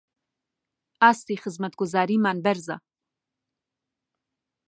ئاستی خزمەتگوزاریمان بەرزە